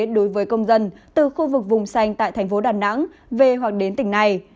đối với công dân từ khu vực vùng xanh tại thành phố đà nẵng về hoặc đến tỉnh này